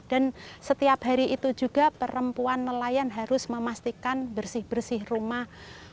dan setiap hari itu juga perempuan nelayan harus memastikan bersih bersih rumah